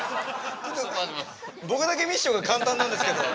僕だけミッションが簡単なんですけど。